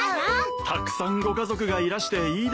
たくさんご家族がいらしていいですね。